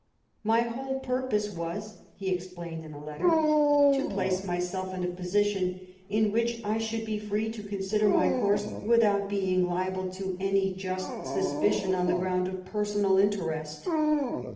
" My whole purpose was," he explained in a letter, "to place myself in a position in which I should be free to con sider my course without being liable to any just suspicion on the ground of personal interest.